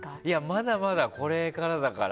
まだまだこれからだから。